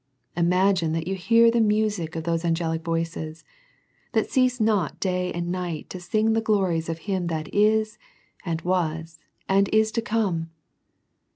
Imagine DEVOUT AND HOLY LIFE. S03 that you hear the music of those angelic voices that cease not day and night to sing the glories of him that isj and was^ and is to come.